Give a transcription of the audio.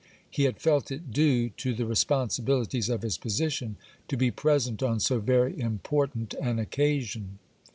He had felt it due to the responsibilities of his position to be present on so very important an occasion.